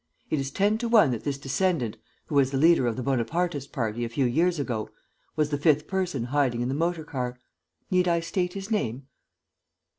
It is ten to one that this descendant, who was the leader of the Bonapartist party a few years ago, was the fifth person hiding in the motor car. Need I state his name?"